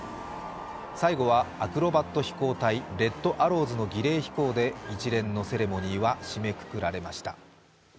最後はアクロバット飛行隊レッド・アローズの儀礼飛行で一連のセレモニーは締めくくられました。